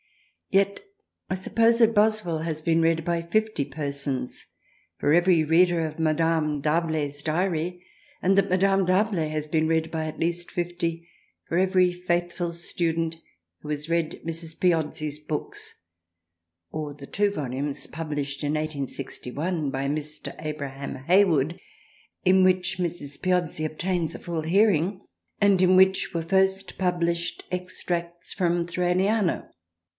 Yet, I suppose, that Boswell has been read by fifty persons for every reader of Madame D'Arblay's Diary, and that Madame D'Arb lay has been read by at least fifty for every faithful student who has read Mrs. Piozzi's books or the two Volumes published in i86r by Mr. Abraham Hay ward in which Mrs. Piozzi obtains a full hear ing, and in which were first published extracts from " Thraliana."